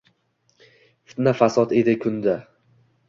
Fitna-fasod edi kunda.